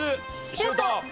シュート！